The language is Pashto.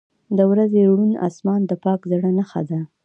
• د ورځې روڼ آسمان د پاک زړه نښه ده.